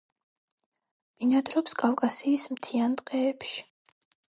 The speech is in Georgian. ბინადრობს კავკასიის მთიან ტყეებში.